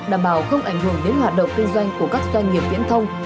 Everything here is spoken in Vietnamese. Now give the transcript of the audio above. đảm bảo không ảnh hưởng đến hoạt động kinh doanh của các doanh nghiệp viễn thông